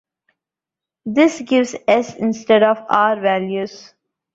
This gives S instead of R values.